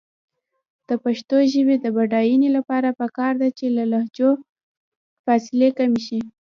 د پښتو ژبې د بډاینې لپاره پکار ده چې لهجو فاصلې کمې شي.